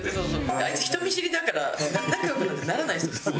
あいつ人見知りだから仲良くなんてならないですよ普通。